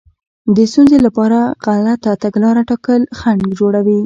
د ستونزې لپاره غلطه تګلاره ټاکل خنډ جوړوي.